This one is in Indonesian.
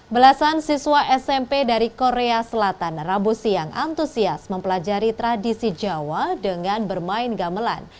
belasan siswa smp dari korea selatan rabu siang antusias mempelajari tradisi jawa dengan bermain gamelan